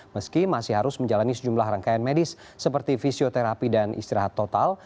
meski masih harus menjalani sejumlah rangkaian medis seperti fisioterapi dan istirahat total